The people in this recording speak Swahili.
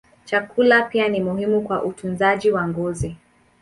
Chakula pia ni muhimu kwa utunzaji wa ngozi.